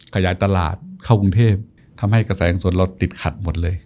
ขยายตลาดเข้ากรุงเทพทำให้กระแสเงินสดเราติดขัดหมดเลย